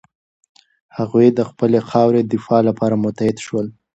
هغوی د خپلې خاورې د دفاع لپاره متحد شول.